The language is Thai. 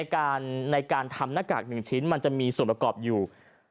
ในการทำหน้ากาก๑ชิ้นมันจะมีส่วนประกอบอยู่